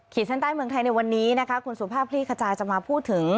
ชั้นใต้เมืองไทยในวันนี้นะคะคุณสุภาพคลี่ขจายจะมาพูดถึง